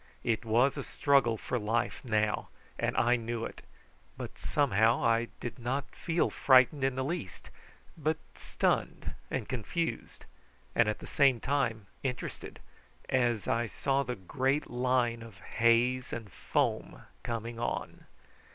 It was a struggle for life now, and I knew it; but somehow I did not feel frightened in the least, but stunned and confused, and at the same time interested, as I saw the great line of haze and foam coming on.